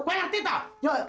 gue yang tau toh